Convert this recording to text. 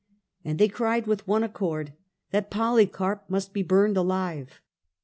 ^ And they cried with one accord that Polycarp must be burned alive.